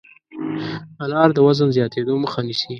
انار د وزن زیاتېدو مخه نیسي.